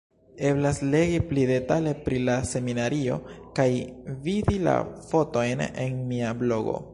Eblas legi pli detale pri la seminario kaj vidi la fotojn en mia blogo.